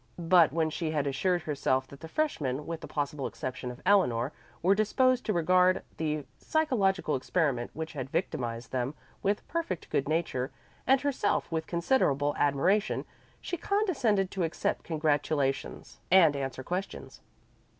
But when she had assured herself that the freshmen, with the possible exception of Eleanor, were disposed to regard the psychological experiment which had victimized them with perfect good nature, and herself with considerable admiration, she condescended to accept congratulations and answer questions.